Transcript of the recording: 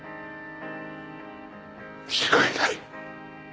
違いない。